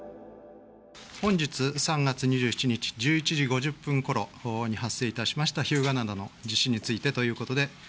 本日３月２７日１１時５０分ごろに発生しました日向灘の地震についてということで。